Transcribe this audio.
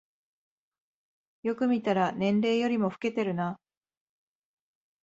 よく見たら年齢よりも老けてるな